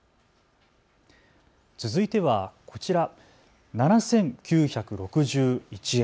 続いてはこちら、７９６１円。